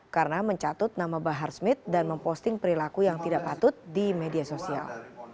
karena mencatut nama bahar smith dan memposting perilaku yang tidak patut di media sosial